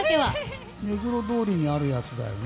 目黒通りにあるやつだよね？